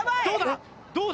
どうだ？